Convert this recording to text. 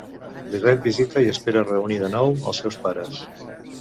Li ret visita i espera reunir de nou els seus pares.